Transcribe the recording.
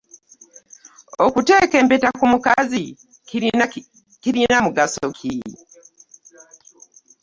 Okuteeka empeta ku mukazi kirina mugaso ki?